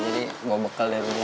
jadi bawa bekal dari rumah